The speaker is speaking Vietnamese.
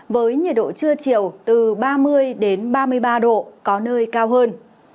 với nhiệt độ trưa chiều từ ba mươi ba mươi ba độ có nơi cao hơn